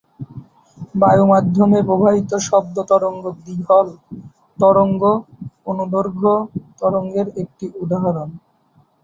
বায়ু মাধ্যমে প্রবাহিত শব্দ তরঙ্গ দীঘল তরঙ্গ/অনুদৈর্ঘ্য তরঙ্গের একটি উদাহরণ।